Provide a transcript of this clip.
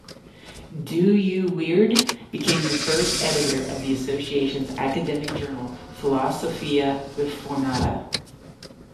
Dooyeweerd became the first editor of the Association's academic journal "Philosophia Reformata".